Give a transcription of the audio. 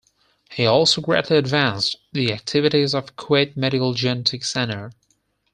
He also greatly advanced the activities of Kuwait Medical Genetic center.